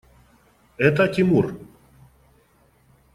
Это – Тимур.